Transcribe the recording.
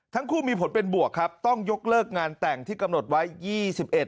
ทั้งคู่มีผลเป็นบวกครับต้องยกเลิกงานแต่งที่กำหนดไว้ยี่สิบเอ็ด